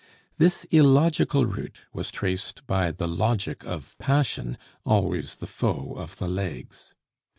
This illogical route was traced by the logic of passion, always the foe of the legs.